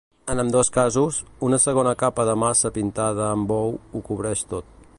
En ambdós casos, una segona capa de massa pintada amb ou ho cobreix tot.